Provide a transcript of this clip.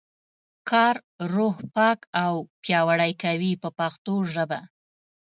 کار روح پاک او پیاوړی کوي په پښتو ژبه.